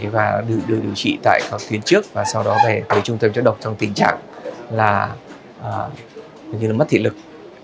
và được điều trị tại các tuyến trước và sau đó về với trung tâm chống độc trong tình trạng là mất thị lực